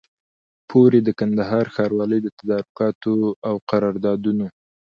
پوري د کندهار ښاروالۍ د تدارکاتو او قراردادونو